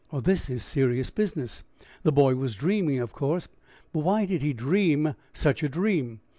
"This is serious business. The boy was dreaming, of course; but why did he dream such a dream?